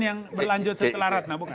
yang berlanjut setelah ratna bukan